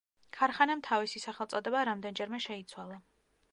ქარხანამ თავისი სახელწოდება რამდენჯერმე შეიცვალა.